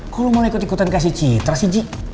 kok lo malah ikut ikutan kasih citra sih ji